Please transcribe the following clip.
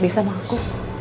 biasa sama aku